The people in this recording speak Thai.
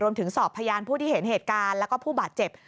สอบพยานผู้ที่เห็นเหตุการณ์แล้วก็ผู้บาดเจ็บ